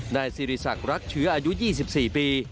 นายสิริศักดิ์รักเชื้ออายุ๒๔ปี